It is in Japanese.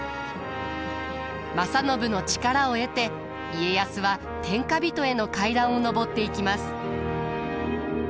正信の力を得て家康は天下人への階段を上っていきます。